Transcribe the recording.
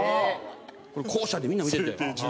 校舎でみんな見てて。